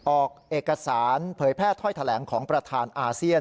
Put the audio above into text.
ออกเอกสารเผยแพร่ถ้อยแถลงของประธานอาเซียน